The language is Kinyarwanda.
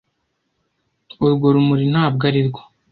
Urwo rumuri ntabwo arirwo!